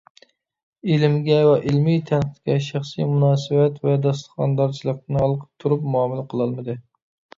ئىلىمگە ۋە ئىلمىي تەنقىدكە شەخسىي مۇناسىۋەت ۋە داستىخاندارچىلىقتىن ھالقىپ تۇرۇپ مۇئامىلە قىلالمىدى.